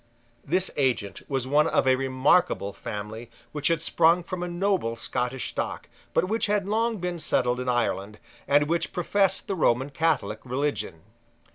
This agent was one of a remarkable family which had sprung from a noble Scottish stock, but which had long been settled in Ireland, and which professed the Roman Catholic religion.